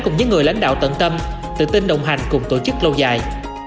cùng những người lãnh đạo tận tâm tự tin đồng hành cùng tổ chức lâu dài